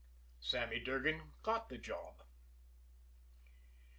Sammy Durgan got the job.